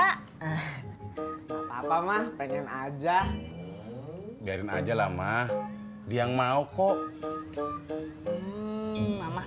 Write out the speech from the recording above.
eh apa apa mah pengen aja biarin aja lama dia yang mau kok mama